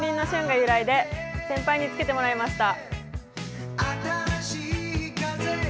先輩につけてもらいました。